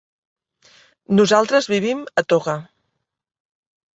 Nosaltres vivim a Toga.